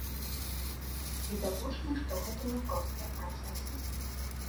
Відавочна, што гэта няпростыя працэсы.